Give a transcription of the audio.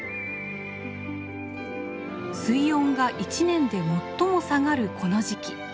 水温が一年で最も下がるこの時期。